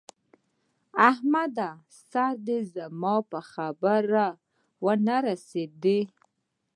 احمده! سر دې زما په خبره و نه رسېدی!